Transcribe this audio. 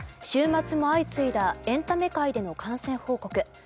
週末も相次いだエンタメ界での感染報告。